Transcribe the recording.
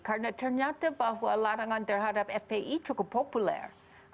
karena ternyata bahwa larangan terhadap fpi cukup populer